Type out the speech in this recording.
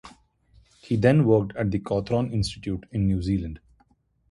He then worked at the Cawthron Institute in New Zealand.